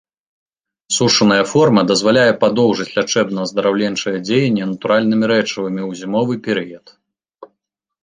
Сушаная форма дазваляе падоўжыць лячэбна-аздараўленчае дзеянне натуральнымі рэчывамі ў зімовы перыяд.